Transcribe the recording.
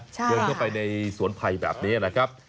ร่มรื่นนะเดินเข้าไปในสวนไผ่แบบนี้นะครับ